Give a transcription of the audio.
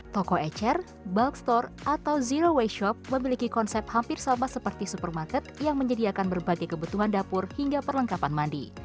toko ecer bulk store atau zero waste shop memiliki konsep hampir sama seperti supermarket yang menyediakan berbagai kebutuhan dapur hingga perlengkapan mandi